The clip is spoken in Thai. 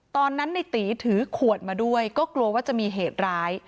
ตอนนั้นในตีถือขวดมาด้วยก็กลัวว่าจะมีเหตุร้าย